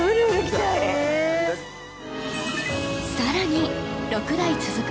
さらに６代続く